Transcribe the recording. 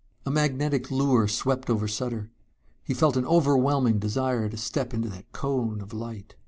A magnetic lure swept over Sutter. He felt an overwhelming desire to step into that cone of light....